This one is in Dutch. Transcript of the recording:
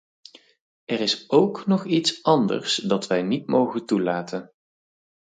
Er is ook nog iets anders dat wij niet mogen toelaten.